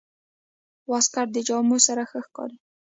واسکټ د جامو سره ښه ښکاري.